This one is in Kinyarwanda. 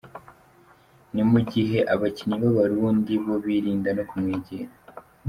Ni mu gihe abakinnyi b’Abarundi bo birinda no kumwegera.